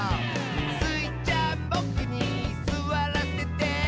「スイちゃんボクにすわらせて？」